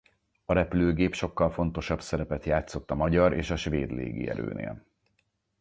A repülőgép sokkal fontosabb szerepet játszott a magyar és a svéd légierőnél.